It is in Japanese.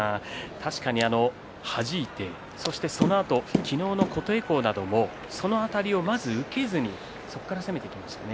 確かにはじいて、そのあと昨日の琴恵光などもその辺りをまず受けずにそこから攻めていきましたね。